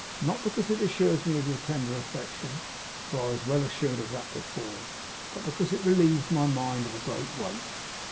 Not because it assures me of your tender affection (for I was well assured of that before), but because it relieves my mind of a great weight.